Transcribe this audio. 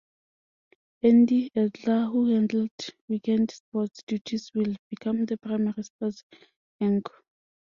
Andy Adler, who handled weekend sports duties, will become the primary sports anchor.